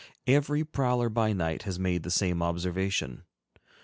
Every prowler by night has made the same observation.